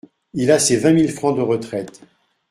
Il a ses vingt mille francs de retraite.